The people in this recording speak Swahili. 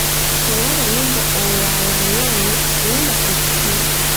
Kiongozi wa nyimbo Olaranyani huimba kiitikio